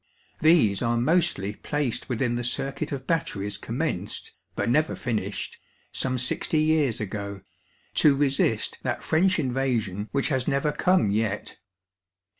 These are mostly placed within the circuit of Batteries commenced (but never finished) some sixty years ago, to resist that French in frauion which has never come yet.